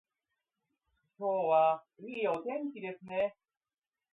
今日はいいお天気ですね